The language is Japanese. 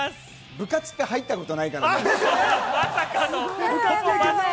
部活って入ったことないからね。